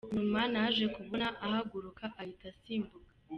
Nyuma naje kubona ahaguruka ahita asimbuka.